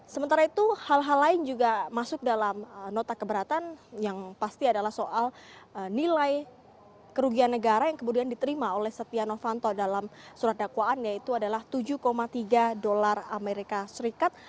sementara itu hal hal lain juga masuk dalam nota keberatan yang pasti adalah soal nilai kerugian negara yang kemudian diterima oleh setia novanto dalam surat dakwaan yaitu adalah tujuh tiga dolar amerika serikat